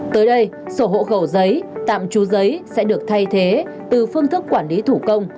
tới đây sổ hộ khẩu giấy tạm trú giấy sẽ được thay thế từ phương thức quản lý thủ công